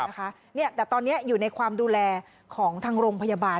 แต่ตอนนี้อยู่ในความดูแลของทางโรงพยาบาล